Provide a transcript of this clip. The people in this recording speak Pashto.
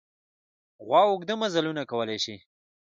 غوا اوږده مزلونه کولی شي.